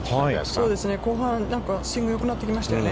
そうですね、後半、スイングがよくなってきましたよね。